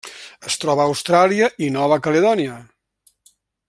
Es troba a Austràlia i Nova Caledònia.